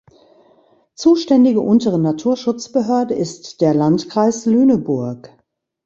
Zuständige untere Naturschutzbehörde ist der Landkreis Lüneburg.